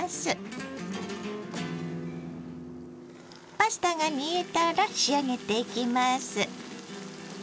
パスタが煮えたら仕上げていきます。